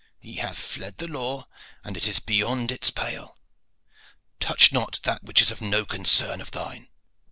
He hath fled the law and is beyond its pale. Touch not that which is no concern of thine.